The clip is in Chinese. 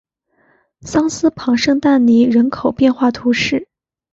桑斯旁圣但尼人口变化图示